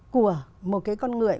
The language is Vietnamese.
của một cái con người